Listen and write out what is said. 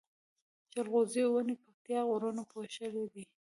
جلغوزيو ونی پکتيا غرونو پوښلي دی